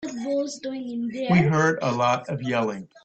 We heard a lot of yelling.